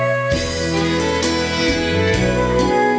สวัสดีครับ